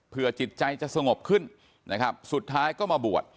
เพื่อจิตใจจะสงบขึ้นนะครับสุดท้ายก็มาบวช